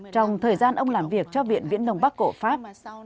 trong thời gian ông làm việc cho viện viễn đông bắc cổ pháp